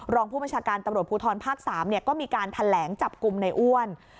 รองผู้บัญชาการตำรวจภูทรภาค๓ก็มีการแถลงจับกลุ่มในอ้วน